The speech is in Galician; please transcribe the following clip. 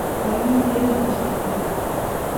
Habemos de ir de paseo.